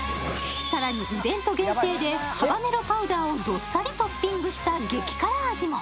更にイベント限定でハバネロパウダーをどっさりトッピングした激辛味も。